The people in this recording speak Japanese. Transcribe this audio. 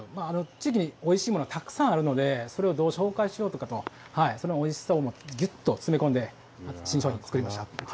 おいしいものはたくさんあるのでそれをご紹介しようということとそのおいしさをぎゅっと詰め込んで新商品を作りました。